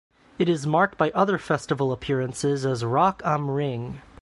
It is marked by other festival appearances as Rock am Ring.